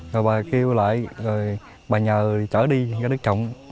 rồi bà kêu lại rồi bà nhờ chở đi cho đức trọng